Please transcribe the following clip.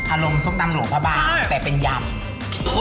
อารมณ์ซุปดำหลวงพระบางแต่เป็นยำ